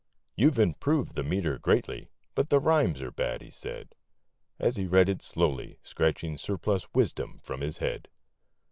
'You've improved the metre greatly, but the rhymes are bad,' he said, As he read it slowly, scratching surplus wisdom from his head.